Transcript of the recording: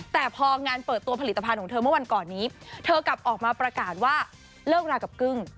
แต่พองานเปิดตัวผลิตภัณฑ์ของเธอเมื่อวันก่อนนี้เธอกลับออกมาประกาศว่าเลิกรากับกึ้ง